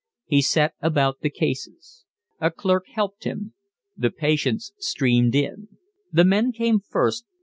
He set about the cases. A clerk helped him. The patients streamed in. The men came first.